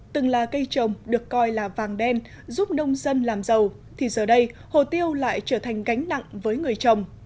từng là cây trồng được coi là vàng đen giúp nông dân làm giàu thì giờ đây hồ tiêu lại trở thành gánh nặng với người trồng